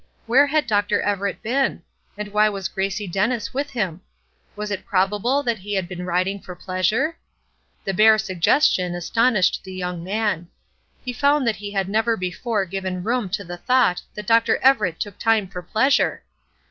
Where had Dr. Everett been? and why was Gracie Dennis with him? Was it probable that he had been riding for pleasure? The bare suggestion astonished the young man. He found that he had never before given room to the thought that Dr. Everett took time for pleasure!